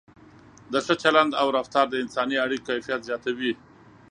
د ښه چلند او رفتار د انساني اړیکو کیفیت زیاتوي.